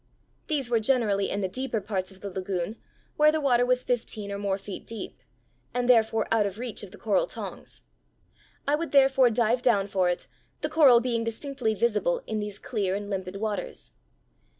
These were generally in the deeper parts of the lagoon, where the water was fifteen or more feet deep, and therefore out of reach of the coral tongs. I would, therefore, dive down for it, the coral being distinctly visible in these clear and limpid waters.